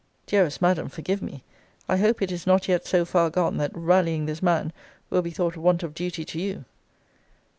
Dearest Madam, forgive me! I hope it is not yet so far gone, that rallying this man will be thought want of duty to you.